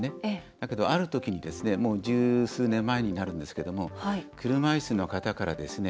だけど、ある時にですねもう十数年前になるんですけども車いすの方からですね